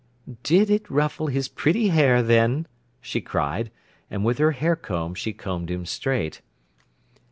"Did it ruffle his pretty hair, then!" she cried; and, with her hair comb, she combed him straight.